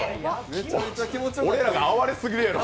俺らがあわれすぎるやろ。